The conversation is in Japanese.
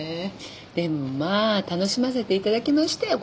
でもまあ楽しませていただきましたよ。